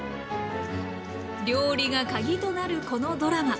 料理が鍵となるこのドラマ。